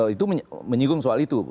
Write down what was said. itu menyinggung soal itu